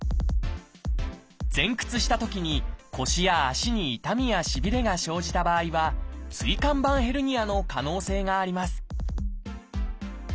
前屈したときに腰や足に痛みやしびれが生じた場合は椎間板ヘルニアの可能性があります